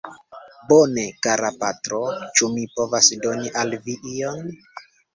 Bone, kara patro; ĉu mi povas doni al vi ion?